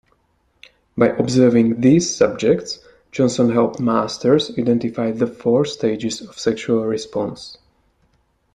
By observing these subjects, Johnson helped Masters identify the four stages of sexual response.